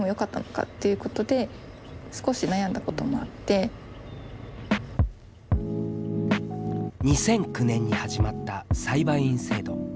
最初の通知が２００９年に始まった裁判員制度。